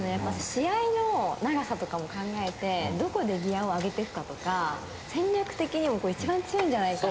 試合の長さとかも考えてどこでギアを上げてくかとか戦略的にも一番強いんじゃないかな。